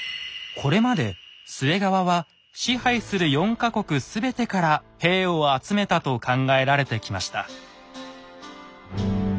これまで陶側は支配する４か国すべてから兵を集めたと考えられてきました。